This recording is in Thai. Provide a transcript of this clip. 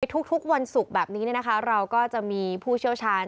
ทุกวันศุกร์แบบนี้เราก็จะมีผู้เชี่ยวชาญ